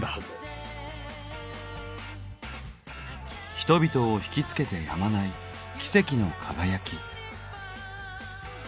人々をひきつけてやまない奇跡の輝き。